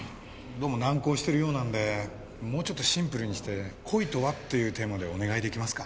どうも難航してるようなんでもうちょっとシンプルにして「恋とは？」っていうテーマでお願いできますか？